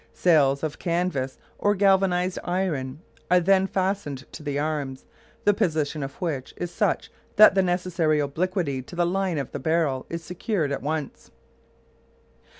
Sails of canvas or galvanised iron are then fastened to the arms, the position of which is such that the necessary obliquity to the line of the barrel is secured at once.